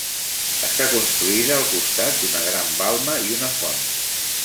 Està construïda al costat d'una gran balma i una font.